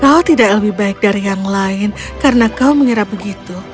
kau tidak lebih baik dari yang lain karena kau mengira begitu